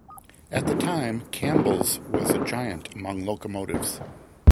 At the time, Campbell's was a giant among locomotives.